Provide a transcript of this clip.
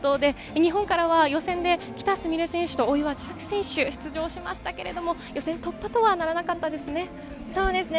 日本からは予選で喜田純鈴選手と大岩千未来選手、出場しましたけれど予選突破とはならなかったですね。